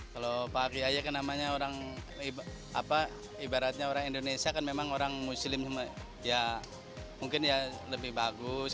kalau pak kiai kan namanya orang ibaratnya orang indonesia kan memang orang muslim ya mungkin ya lebih bagus